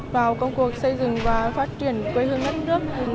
vào công cuộc xây dựng và phát triển quê hương đất nước